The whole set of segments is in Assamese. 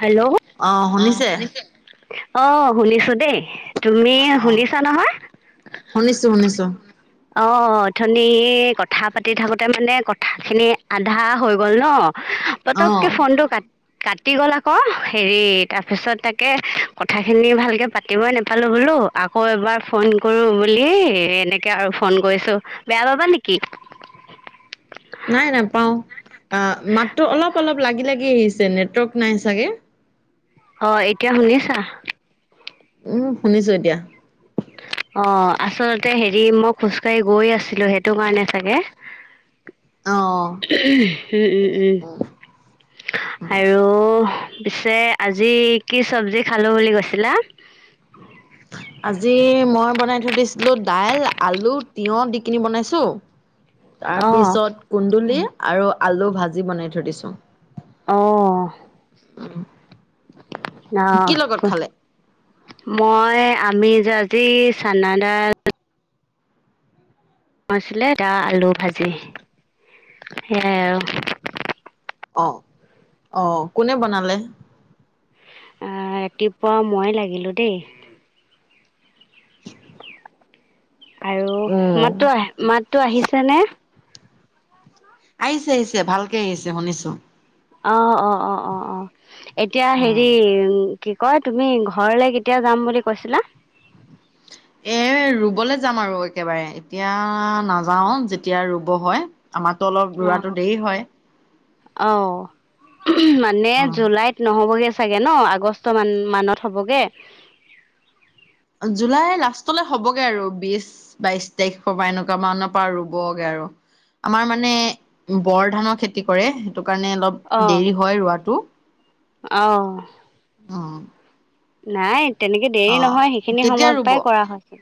হেল্ল' অ শুনিছে অ শুনিছো দেই তুমি অ শুনিছা নহয়। শুনিছো শুনিছো অথনী কথা পাতি থাকোতে মানে কথাখিনি আধা হৈ গ'ল ন অ পতককে ফোনটো কাট- কাটি গ'লা ক হেৰি তাৰ পিছত তাকে কথা খিনি ভালকে পাতিবই নোপালো বোলো আকৌ এবাৰ ফোন কৰো বুলি এনেকে আৰু ফোন কৰিছো বেয়া পাবা নেকি [inaudible] নাই নাপাও। অ' মাতটো অলপ - অলপ লাগি লাগি আহিছে নেটৱৰ্ক নাই চাগে অ' এতিয়া শুনিছা। উম শুনিছো এতিয়া অ' আচলতে হেৰি মই খোজকাঢ়ি গৈ আছিলো সেইটো কাৰণে চাগে উ। অ উম- উম -উম আৰু পিছে আজি কি চব্জি খালো বুলি কৈছিলা? আজি মই বনাই থৈ দিছিলো দাইল, আলু তিঁয়ঁহ, দি কিনি বনাইছো। তাৰ অঁ পিছত কুন্দুলি আৰু আলু ভাজি বনাই থৈ দিছো। অঁ। অ, কোৱা কি লগত খালে মই আমি যে আজি চান্নডা [inaudible] আছিলে এটা আলু ভাজি সেয়াই আৰু। অঁ অঁ, কোনে বনালে? অ, ৰাতিপুৱা মইে লাগিলো দেই। আৰু উম মাতো আহ মাতো আহিছে নে? আহিছে -আহিছে ভালকে আহিছে শুনিছো। অ- অ অ -অ এতিয়া হেৰি, উম উম কি কয়, তুমি ঘৰলে কেতিয়া যাম বুলি কৈছিলা? এ ৰুবলে যাম আৰু একেবাৰে, এতিয়া নাযাও যেতিয়া ৰুব হয়। আমাৰটো অলপ ৰুৱাটো দেৰি হয়। অ, মানে অ জুলাইত নহ'বগে। চাগে ন, আগষ্ট মানত হবগে। জুলাই লাষ্টলৈ হবগে আৰু, বিশ বাইশ তাৰিখৰ পৰা এনেকুৱা মানৰ পৰা ৰুবগে আৰু। আমাৰ মানে বৰ ধানৰ খেতি কৰে, সেইটো কাৰণে অলপ দেৰি হয় ৰুবাতো। আহ। অ'। নাই তেনেকে অ দেৰি নহয়, সেইখিনি কেতিয়া সময়ৰ ৰুব পৰাই কৰা হয়।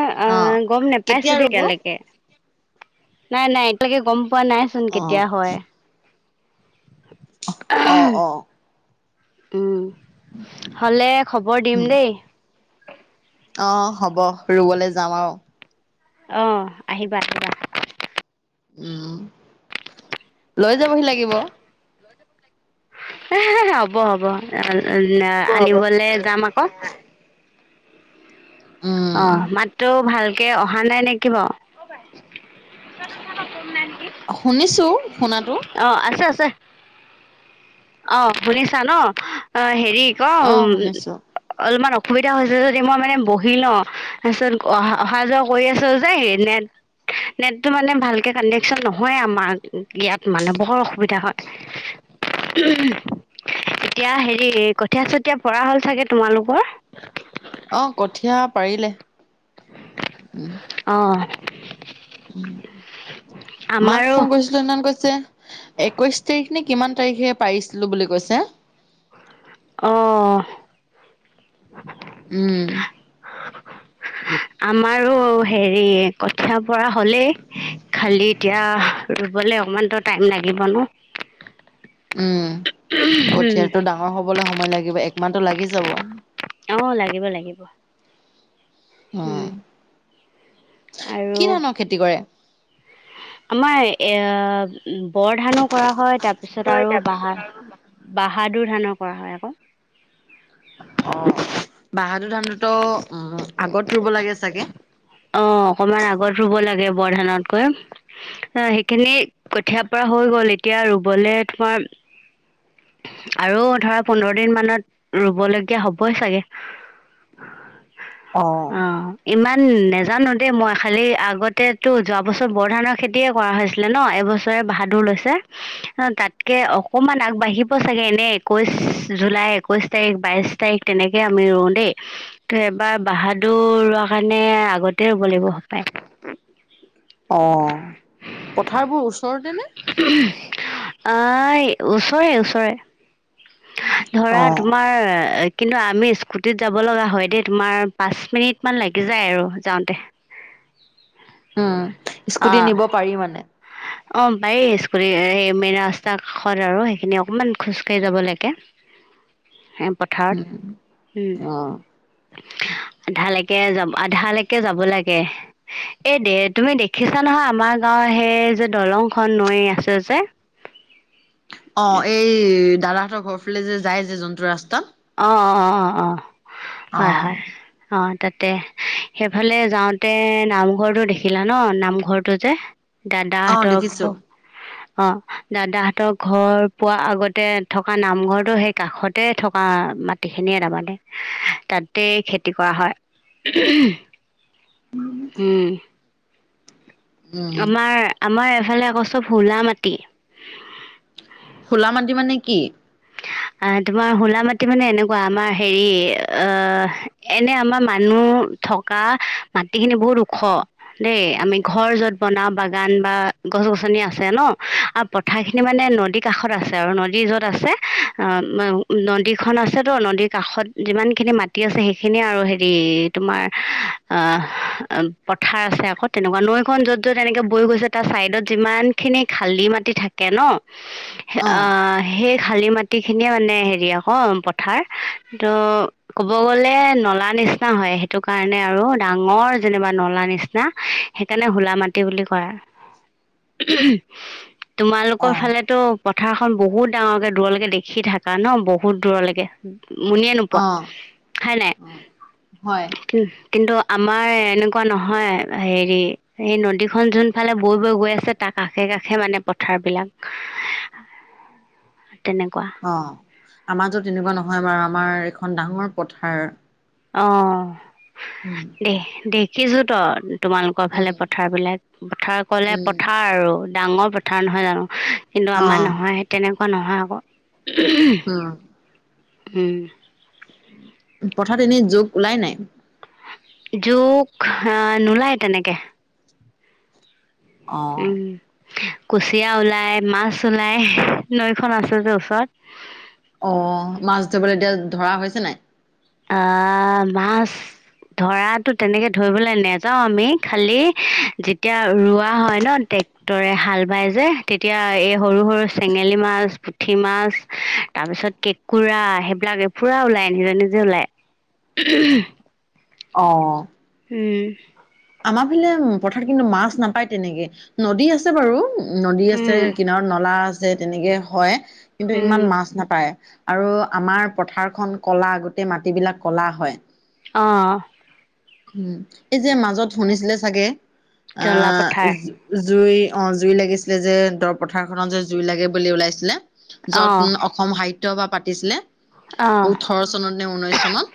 অ' অ' গম নোপাইছো কেতিয়া দেই ৰুব এতিয়ালৈকে নাই নাই একতিয়ালেকে গম পোৱা নাই চোন, অ কেতিয়া হয়। আহ আহ। উম, হ'লে খবৰ দিম উম দেই। অ, হ'ব ৰুবলে যাম আও। আহ, আহিবা। উম, লৈ যাবহি লাগিব। হ'ব হ'ব আনিবলৈ যাম আকৌ। অ' উম মাতটো ভাল কে অহা নাই নেকি বাও? শুনিছো শুনাতো অ' আছে আ ছে, অ' শুনিছা ন? অ, হে হেৰি ক! অ শুনিছো অলমান অসুবিধা হৈছে যদি মই মানে, ব সি ন' তাৰপিছত অহা -অহা যোৱা কৰি আছো যে নে। নেটটো মানে ভালকে কানেকচন নহয় আমাৰ ইয়াত মানে বৰ অসুবিধা হয়। এতিয়া হেৰি কঠীয়া চতিয়া পৰা হ'ল চাগে তোমালোকৰ। অ', কঠীয়া পাৰিলে। উম অ'। মাক আমাৰো ফোন কৰিছিলো। সেইদিনাখন কৈছে। একৈশ তাৰিখ নে কিমান তাৰিখে পাৰিছিলো বুলি কৈছে। অ' উম। আমাৰো হেৰি কঠীয়া বৰা হলেই খালি এতিয়া ৰুব। গ'লে অকমানো টাইম লাগিব ন। উম, কঠীয়াাতটো ডাঙৰ হবলৈ সময় লাগিব। একমাহটো লাগি যাব। অ', লাগিব -লাগিব উম, অহ। আৰু কৰে আমাৰ এ বৰধানক কৰা হয়, তাৰ পিছত আৰু বাহা বাহাদুৰ ধানো কৰা হয় আকৌ। অ', বাহাদুৰ ধানটোতো উম আগত ৰুব লাগে চাগে। অ', অকমান আগত ৰুব লাগে বৰধানতকৈ। অ', সেইখিনি কঠিয়াৰ পৰা হৈ গ'ল, এতিয়া ৰুবলে থোৱা আৰু ধৰা পোন্ধৰ দিন মানত ৰুবলগীয়া হ'বই চাগে? অ', ইমান নে নাজানো দেই মই খালী আগতেতো যোৱা বছৰ বৰধানৰ খেতিয়ে কৰা হৈছিলে ন এইবছৰে বাহাদুৰ [unintelligible] তাতকে অকমান আগবাঢ়িব চাগে, এনে একৈশ জুলাই একৈশ তাৰিখ বাইছ তাৰিখ তেনেকে আমি ৰুওঁ দেই, ত' এবাৰ বাহাদুৰ ৰোৱা কাৰণে আগতে তাতে হ'ব লাগিব তাই অ' পথাৰবোৰ ওচৰতে নে? অ' ই ওচৰে- ওচৰে। অ ধৰা তোমাৰ কিন্তু আমি স্কুটিত যাব লগা হয় দেই তোমাৰ পাঁচ মিনিট মান লাগি যায় আৰু যাওঁতে। [unintelligible] উম, অ স্কুটি নিব পাৰি মানে। অ' পাৰি স্কুটিত, মেইন ৰাস্তাৰ কাষত আৰু সেইখিনি অকমান খোজ কাঢ়ি যাব লাগে। [unintelligible] পঠাৰত, উম উম। অ আধালৈকে যাব আধালৈকে যাব লাগে এই দে তুমি দেখিছা নহয়, আমাৰ গাঁওত অ', সেই যে দলংখন নৈ আছে যে। অ', এই দাদাহঁতৰ ঘৰ ফালে যে যায় যে যোনটো ৰাস্তা। অ, অ- অ- অ অ হয়- হয় অ'। তাতে সেইফালে যাওঁতে নামঘৰটো দেখিলা ন, নামঘৰটো যে। অ দাদাহতৰ ঘ দেখিছো অ' দাদাহঁতৰ ঘৰ পোৱা আগতে থকা নামঘৰটো সেই কাষতে থকা থকা মাটি খিনিয়ে নামাতে তাতে খেতি কৰা হয়। [unintelligible] হম। উম আমাৰ- আমাৰ এফালে আকৌ চব হোলা মাটি। খোলা মাাটি মানে কি? অ' তোমাৰ হোলা মাটি মানে এনেকুৱা, আমাৰ হেৰি অ' এনে আমাৰ মানুহ উম থকা মাটিখিনি বহুত ওখ দেই, আমি ঘৰ য'ত বনাওঁ বাগান বা গছ - গছনি আছে ন আৰু পথাৰ খিনি মানে নদীৰ কাষত আছে আৰু নদী য'ত আছে। নদীখন আছেতো নদীৰ কাষত যিমানখিনি মাটি আছে সেইখিনি আৰু হেৰি তোমাৰ অ- অ পথাৰ আছে আকৌ তেনেকুৱা নৈখন য'ত য'ত এনেকে বৈ গৈছে তাত চাইদত যিমানখিনি খালী মাটি থাকে ন অ সেই খালী মাট গোটেইখিনিয়ে মানে হেৰি আকৌ পথাৰ ত' ক'ব গ'লে নলা নিচিনা হয়। সেইটো কাৰণে আৰু ডাঙৰ যেনিবা নলা নিচিনা সেইকাৰণে হোলা মাটি বুলি কয়। অ তোমালোকৰ ফালেতো পথাৰখন বহুত ডাঙৰকে দূৰলেকে দেখ সি থাকা ন বহুত দূৰলৈকে। মুনিয়ে নোপোৱা অ হয় নাই। অ হয় কিন্তু আমাৰ এনেকুৱা নহয়, হেৰি এই নদীখন যোন ফালে বৈ- বৈ গৈ আছে তাক কাষে কাষে মানে পথাৰ বিলাক তেনেকুৱা। অ', আমাৰ য'ত তেনেকুৱা নহয় বাৰু আমাৰ এখন ডাঙৰ পথাৰ। অ', উম দে দেখিছো ত তোমালোকৰ ফালে পথাৰ বিলাক। পথাৰ ক'লে উম পথাৰ আৰু ডাঙৰ পথাৰ নহয় জানো, কিন্তু অ আমাৰ নহয় তেনেক তেনেকুৱা নহয় আকৌ, উম উম। পথাৰত এনেই জোক ওলাই নাই। জোক আহ নোলায় তেনেকে। অ'। উম কুচিয়া ওলাই মাছ ওলাই নৈখন আছে যে ওচৰত। অ' মাছ ধৰিবলৈ এতিয়া ধৰা হৈছে নাই? অ' মাছ ধৰাতো তেনেকে ধৰিবলে নাযাও আমি খালি যেতিয়া ৰোৱা হয় ন তে টেক্টৰে হাল বাই যে তেতিয়া এই সৰু সৰু চেঙেলী মাছ, পুঠি মাছ তাৰ পিছত কেঁকোঁৰা সেইবিলাকে পুৰা ওলাই নিজে নিজে ওলাই। অ'। উম। আমাৰ ফালে পথাৰত কিন্তু মাছ নাপায় তেনেকে। নদী আছে বাৰু। নদী আছে উম কিনাৰত নলা আছে। তেনেকে হয় কিন্তু উম ইমান মাছ নাপায় আৰু আমাৰ পথাৰখন কলা গোটেই মাটিবলাক কলা হয়। অ'। উম। এই যে মাজত শুনিছিলে চাগে আ জলা পথাৰ জুই অ' জুই লাগিছিলে যে দৰ পথাৰখনত যে জুই লাগে বুলি ওলাইছিলে অ য'ত অসম সাহিত্য সভা পাতিছিলে। অ ওঠৰ চনত নে ঊনৈশ চনত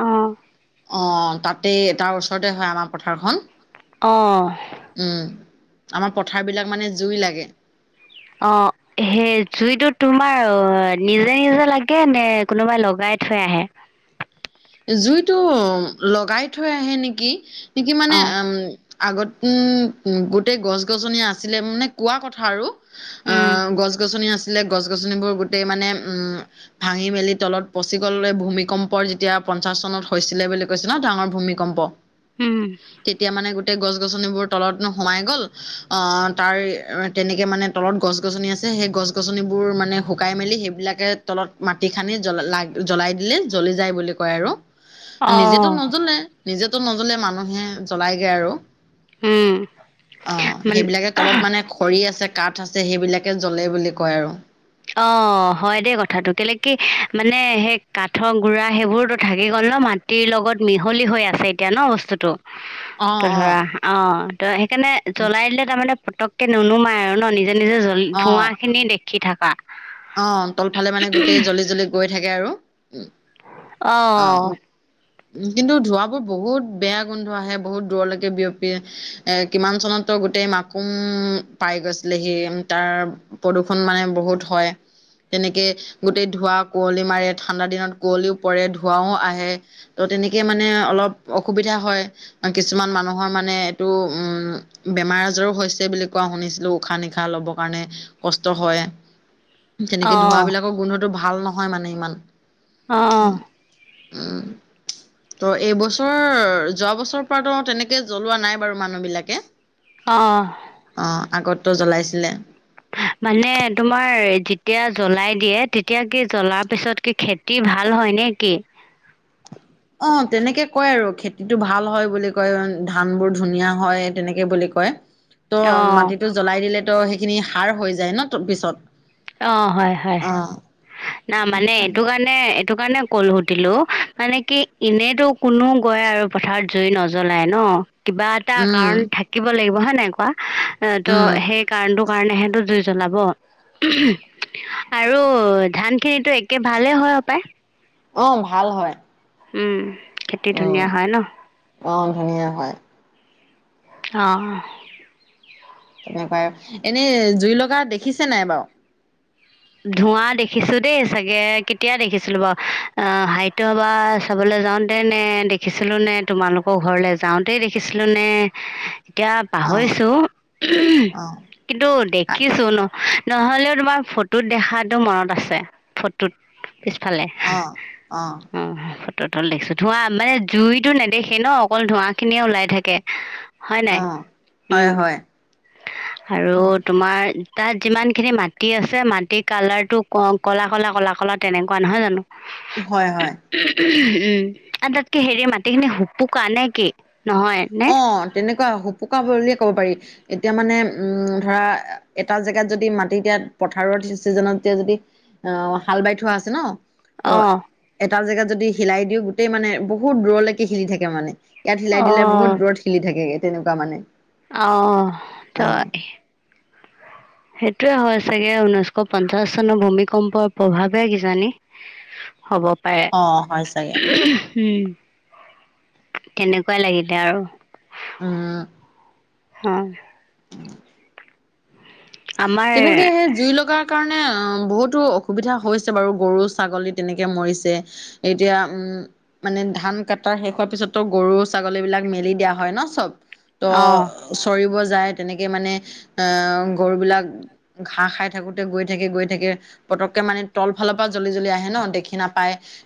অ'। অ' তাতেই, তাৰ ওচৰতে হয় আমাৰ পথাৰখন। উম। অ'। আমাৰ পথাৰ বিলাক মানে জুই লাগে। অ', সেই জুইটো তোমাৰ, নিজে নিজে লাগে নে কোনোবাই লগাই থৈ আহে? জুইটো লগাই থৈ আহে নেকি, কিয়ুকি মানে অ এম আগত উম, গোটেই গছ গছনি আছিলে মানে কোৱা কথা আৰু। উম অ' গছ গছনি আছ ছিলে, গছ গছনিবোৰ গোটেই মানে উম, ভাঙি মেলি তলত পচি গ'ল ভূমিকম্পৰ যেতিয়া পঞ্চাশ চনত হৈছিলে বুলি কৈছে ন ডাঙৰ ভূমিকম্প, উম তেতিয়া মানে গোট গোটেই গছ গছনিবোৰ তলত ন' সোমাই গ'ল, অ' তাৰ-তেনেকে মানে তলত গছ গছনি আছিল সেই গছ গছনিবোৰ মানে শুকাই মেলি সেইবিলাকে তলত মাটি খানি জ্বল-লাগ-জ্বলাই দিলে, জ্বলি জ্বলি যায় বুলি কয় আৰু, নিজেতো অ', নজ্বলে, নিজেতো নজ্বলে, মানুহে জ্বলাইগৈ আৰু। উম, অ', মানে সেইবিলাকে তলত মানে খৰি আছে কাঠ আছে, সেইবিলাকে জ্বলে বুলি কয় আৰু। অ', হয় দেই কথাটো, কেলে কি মানে সেই কাঠৰ গুড়া সেইবোৰতো থাকি গ'ল ন। ন মাটিৰ লগত মিহলি হৈ আছে এতিয়া ন বস্তুটো। অ ত' অ ধৰা, অ', ত' সেইকাৰণে উ জ্বলাই দিলে তাৰমানে পতককে নুনুমাই আৰু ন, নিজে নিজে জ্বলি অ ধোঁৱা খিনি দেখি থাকা। অ', তলফালে মানে গোটেই জ্বলি জ্বলি গৈ থাকে আৰু। অ'। কিন্তু ধোঁৱাবোৰ বহুত বেয়া গোন্ধ আহে বহুত দূৰলৈকে বিয়পিয়ে, কিমান চনত ত' গোটেই মাকুম পাই গৈছিলেহি, তাৰ প্ৰদূষণ মানে বহুত হয়। তেনেকে গোটেই ধোঁৱা কুঁৱলী মাৰে, ঠাণ্ডা দিনত কুঁৱলীও পৰে, ধোঁৱাও আহে। ত' তেনেকে মানে অলপ অসুবিধা হয়, কিছুমান মানুহৰ মানে এইটো উম বেমাৰ আজাৰো হৈছে বুলি কোৱা শুনিছিলো, উশাহ নিশাহ ল'বৰ কাৰণে কষ্ট হয়। তেনেকে অ', ধোঁৱাবিলাকৰ গোন্ধটো ভাল নহয় মানে ইমান। অ'। ত' এইবছৰ যোৱা বছৰৰ পৰাতো তেনেকে জ্বলোৱা নাই বাৰু মানুহ বিলাকে। অ'। আগতটো জ্বলাইছিলে। [inaudible] মানে তোমাৰ যেতিয়া জ্বলাই দিয়ে, তেতিয়া কি জ্বলাৰ পিছত কি খেতি ভাল হয় নে নেকি? অ', তেনেকে কয় আৰু খেতিটো ভাল হয় বুলি কয়, ধানবোৰ ধুনীয়া হয় তেনেকে বুলি কয়। ত' অ', মাটিটো জ্বলাই দিলেতো সেইখিনি সাৰ হৈ যায় ন পিছত। অ', হয় হয়। অ' নহয়, মানে এইটো কাৰণে সেইটো কাৰণে ক'ল-সুধিলো মানে কি এনেইতো কোনো গৈ আৰু পথাৰত জুই নজ্বলাই ন। কিবা এটা উম কাৰণ থাকিব লাগিব হয় নাই কোৱা, উম ত' সেই কাৰণটো কাৰণেহেঁ জু জ্বলাব। আৰু ধান খিনিতো একে ভালেই হয় হপায়? অ', ভাল হয়। উম খেতি উম ধুনীয়া হয় ন। অ', ধুনীয়া হয়। অ'। তেনেকুৱাই, এনেই জুই লগা দেখিছে নাই বাৰু? ধোঁৱা দেখিছোঁ দেই চাগে কেতিয়া দেখিছিলোঁ বাৰু, অ' সাহিত্য সভা চাবলে যাওতে নে দেখিছিলো নে, তোমালোকৰ ঘৰলে যাওতে দেখিছিলো নে এতিয়া অ' পাহৰিছো অ' কিন্তু দেখিছো ন? নহ'লেও তোমাৰ ফটোত দেখাটো মনত আছে ফটোত পিছফালে অ, ত তল দেখিছো ধোৱা মানে জুইতটো নেদেখি ন অকল ধোৱা খিনিয়ে ওলাই থাকে হয় নাই? অ' হয় উম, হয়। আৰু তোমাৰ তাত যিমান খিনি মাটি আছে মাটিৰ কালাৰ টো ক ক'লা - ক'লা - ক'লা - ক'লা তেনেকুৱা নহয় জানো? হয় - হয়। উম, আৰু তাতকৈ হেৰি মাটিখিনি সোপোকা নে কি নহয় নে? কা সোপোকা বুলিয়ে ক'ব পাৰি, এতিয়া মানে উম, ধৰা এটা জেগাত যদি মাটি দিয়াত পথাৰৰ চিজনত এতিয়া যদি অ, হাল বাই থোৱা আছে ন ত অহ ', এটা জেগাত যদি হিলাই দিও গোটেই মানে বহুত দূৰলৈকে হিলি থাকে মানে ইয়াত হিলাই অ দিলে বহুত খেলি থাকেগে তেনেকুৱা মানে আহ, ত অ সেইটোয়ে হয় চাগে ঊনৈশ পঞ্চাশ চনৰ ভূমিকম্পৰ প্ৰভাৱে কিজানি? হ'ব অ হয় চাগে পাৰে। উম, তেনেকুৱাই লাগিলে আৰু। উম, অহ ', আমাৰ তেনেকে সেই জুই লগাৰ কাৰণে অ, বহুতো অসুবিধা হৈছে বাৰু গৰু-ছাগলী তেনেকে মৰিছে এতিয়া উম উম, মানে ধান কটাৰ শেষ হোৱাৰ পিছতো গৰু- ছাগলী বিলাক মেলি দিয়া হয় ন চব। ত অঁ চৰিব যায় তেনেকে মানে আহ গৰু বিলাক। ঘাঁ খাই থাকোতে গৈ থাকে - গৈ থাকে পতককে মানে তল ফালৰ পৰা জ্বলি জ্বলি আহে ন দেখি নাাপায়